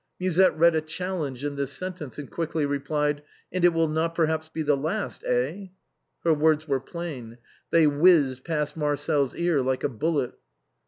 Musette read a challenge in this sentence, and quickly replied, "And it will not perhaps be the last, eh ?" Her words were plain, they whizzed past Marcel's ear like a bullet.